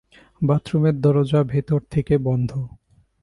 বাথরুমের দরজা ভেতর থেকে বন্ধ।